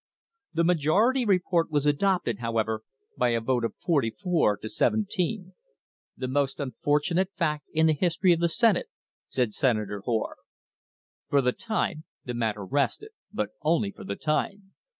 The majority report was adopted, however, by a vote of forty four to seven THE STANDARD OIL COMPANY AND POLITICS teen. "The most unfortunate fact in the history of the Senate," said Senator Hoar.* For the time the matter rested, but only for the time.